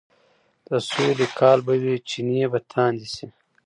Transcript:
د سولې کال به وي، چينې به تاندې شي،